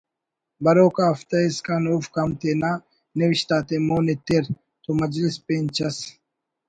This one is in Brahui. بروک آ ہفتہ اسکان اوفک ہم تینا نوشت آتے مون ایتر تو مجلس پین چس